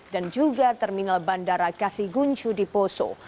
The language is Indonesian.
dan juga terminal bandara kasi guncu di poso